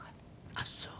あっそう。